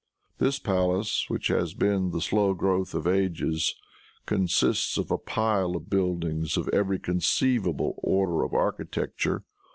This palace, which has been the slow growth of ages, consists of a pile of buildings of every conceivable order of architecture.